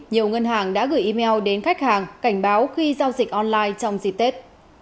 nhiều ngân hàng đã gửi email đến khách hàng cảnh báo khi giao dịch online trong dịp tết